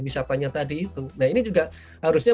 misapanya tadi itu nah ini juga harusnya